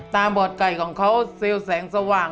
บอดไก่ของเขาเซลล์แสงสว่าง